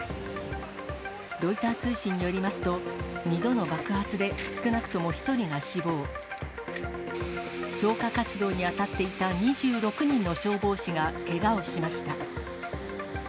ロイター通信によりますと、２度の爆発で少なくとも１人が死亡、消火活動に当たっていた２６人の消防士がけがをしました。